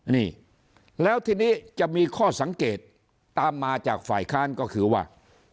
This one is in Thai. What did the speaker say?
นี่แล้วทีนี้จะมีข้อสังเกตตามมาจากฝ่ายค้านก็คือว่า